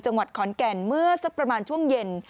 จังหวัดขอนแก่นเมื่อสักประมาณช่วงเย็น